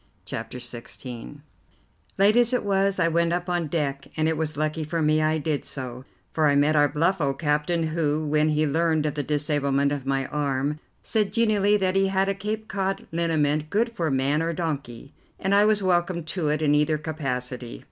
CHAPTER XVI Late as it was, I went up on deck, and it was lucky for me I did so, for I met our bluff old captain, who, when he learned of the disablement of my arm, said genially that he had a Cape Cod liniment good for man or donkey, and I was welcome to it in either capacity.